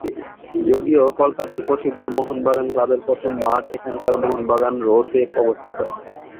যদিও কলকাতার প্রসিদ্ধ মোহনবাগান ক্লাবের প্রথম মাঠ এখানকার মোহনবাগান রো-তে অবস্থিত।